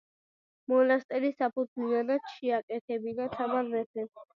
მონასტერი საფუძვლიანად შეაკეთებინა თამარ მეფემ.